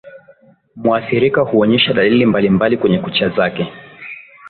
mwathirika huonesha dalili mbalimbali kwenye kucha zake